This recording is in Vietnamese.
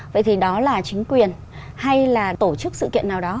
vậy thì đó là chính quyền hay là tổ chức sự kiện nào đó